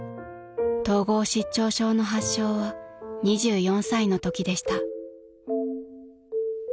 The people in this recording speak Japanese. ［統合失調症の発症は２４歳のときでした］